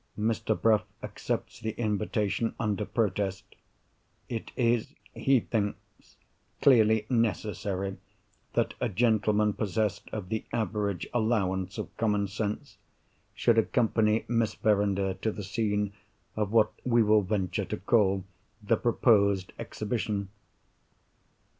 Mr. Bruff accepts the invitation—under protest. It is, he thinks, clearly necessary that a gentleman possessed of the average allowance of common sense, should accompany Miss Verinder to the scene of, what we will venture to call, the proposed exhibition.